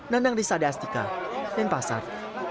nandang risa dastika denpasar